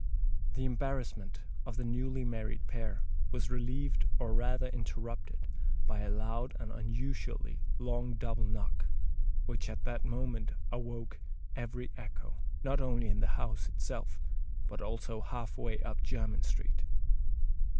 The embarrassment of the newly married pair was relieved, or rather interrupted, by a loud and unusually long double knock, which at that moment awoke every echo, not only in the house itself, but also half way up Jermyn Street.